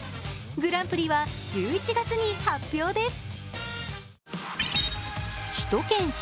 グランプリは１１月に発表です。